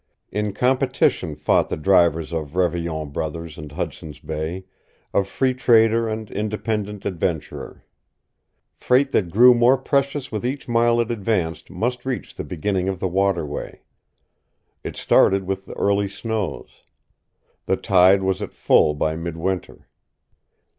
In competition fought the drivers of Revillon Brothers and Hudson's Bay, of free trader and independent adventurer. Freight that grew more precious with each mile it advanced must reach the beginning of the waterway. It started with the early snows. The tide was at full by midwinter.